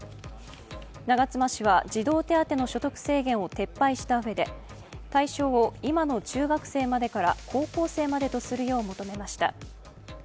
長妻氏は児童手当の所得制限を撤廃したうえで対象を今の中学生までから高校生までとするよう求めました。